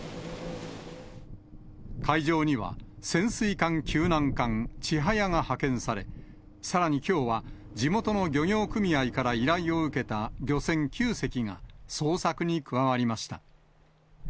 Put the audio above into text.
海上には潜水艦救難艦ちはやが派遣され、さらにきょうは、地元の漁業組合から依頼を受けた漁船９隻が捜索に加わりました。